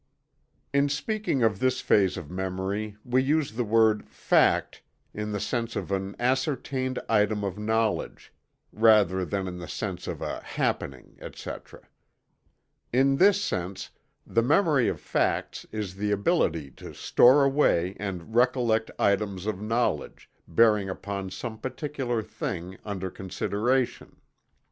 In speaking of this phase of memory we use the word "fact" in the sense of "an ascertained item of knowledge," rather than in the sense of "a happening," etc. In this sense the Memory of Facts is the ability to store away and recollect items of knowledge bearing upon some particular thing under consideration.